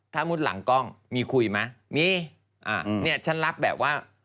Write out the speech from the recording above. ถ้ามุติหลังกล้องมีคุยไหมมีอ่าเนี่ยฉันรักแบบว่า